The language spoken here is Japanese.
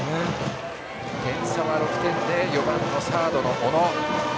点差は６点で４番のサードの小野。